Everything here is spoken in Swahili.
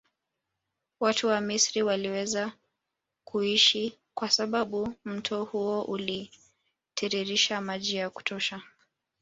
Watu wa Misri waliweza kuishi kwa sababu mto huo ulitiiririsha maji ya kutosha